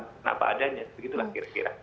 kenapa adanya begitulah kira kira